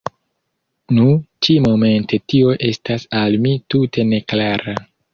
Nu, ĉi-momente tio estas al mi tute ne klara.